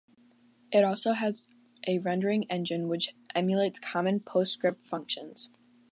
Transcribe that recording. It also has a rendering engine which emulates common PostScript functions.